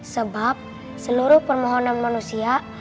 sebab seluruh permohonan manusia